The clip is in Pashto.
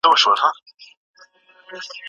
هغوی په ډېر بېړه سره د هدف لور ته روان وو.